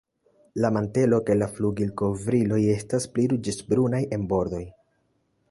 La mantelo kaj la flugilkovriloj estas pli ruĝecbrunaj en bordoj.